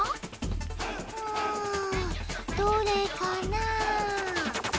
うんどれかなあ？